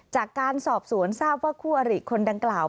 จากการสอบสวนทราบว่าคู่อริคนดังกล่าว